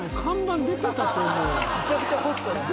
むちゃくちゃホストやん。